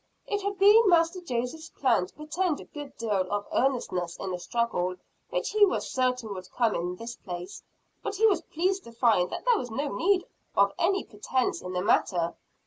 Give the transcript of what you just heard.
It had been Master Joseph's plan to pretend a good deal of earnestness in the struggle which he was certain would come in this place; but he was pleased to find that there was no need of any pretence in the matter.